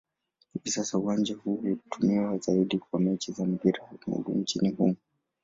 Hivi sasa uwanja huu hutumiwa zaidi kwa mechi za mpira wa miguu nchini humo.